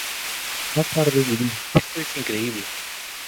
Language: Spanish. Más tarde diría: “Esto es increíble.